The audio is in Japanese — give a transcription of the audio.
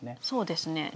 そうですね。